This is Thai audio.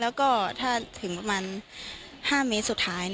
แล้วก็ถ้าถึงประมาณ๕เมตรสุดท้าย